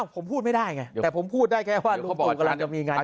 ผมพูดไม่ได้ไงแต่ผมพูดได้แค่ว่าลุงตู่กำลังจะมีงาน